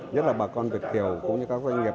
nhất là bà con việt kiều cũng như các doanh nghiệp